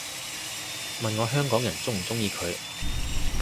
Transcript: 問我香港人鍾唔鍾意佢